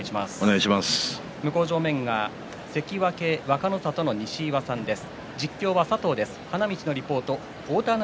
向正面は関脇若の里の西岩さんです。